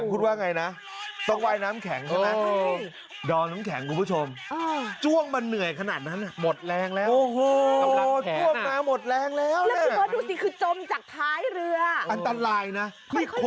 ห่วงนครไม่ไหวครับห่วงนครรอบครับขออนุญาต